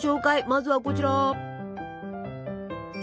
まずはこちら！